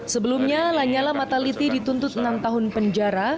sebelumnya lanyala mataliti dituntut enam tahun penjara